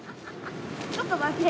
ちょっと待て。